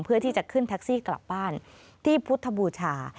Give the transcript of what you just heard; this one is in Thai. เพื่อที่จะขึ้นแท็กซี่กลับบ้านที่พุทธบูชา